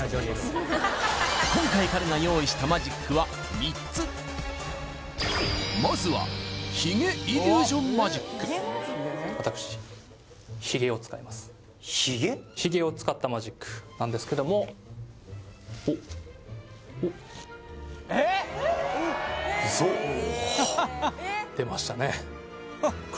今回彼が用意したマジックは３つまずは私髭を使ったマジックなんですけどもおっおっ出ましたね